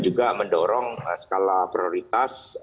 juga mendorong skala prioritas